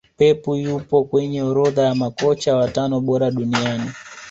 pepu yupo kwenye orodha ya makocha watano bora duniania